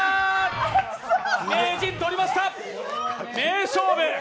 名人とりました、名勝負。